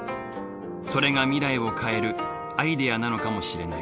それが未来を変えるアイデアなのかもしれない。